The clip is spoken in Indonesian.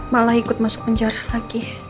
malah ikut masuk penjara lagi